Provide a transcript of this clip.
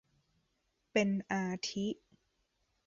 เป็นอาทิ